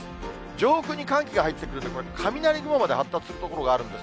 上空に寒気が入ってくるので、これ、雷雲まで発達する所があるんです。